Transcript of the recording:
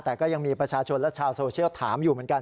แต่ก็ยังมีประชาชนและชาวโซเชียลถามอยู่เหมือนกัน